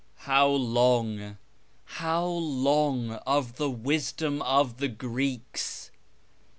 How long, how long of the wisdom of the Greeks